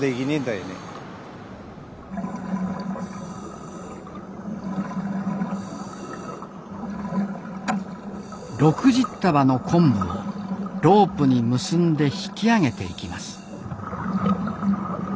そういう６０束の昆布をロープに結んで引き上げていきます。